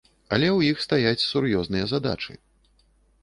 Але ў іх стаяць сур'ёзныя задачы.